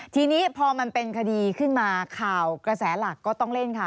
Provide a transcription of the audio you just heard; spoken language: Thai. ทีนี้พอมันเป็นคดีขึ้นมาข่าวกระแสหลักก็ต้องเล่นค่ะ